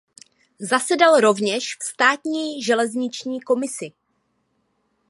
Zasedal rovněž v státní železniční komisi.